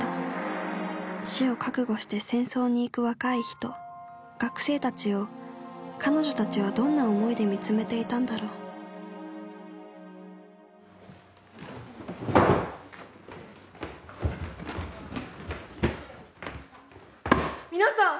死を覚悟して戦争に行く若い人学生たちを彼女たちはどんな思いで見つめていたんだろう皆さん！